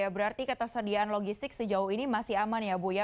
berarti ketersediaan logistik sejauh ini masih aman ya bu ya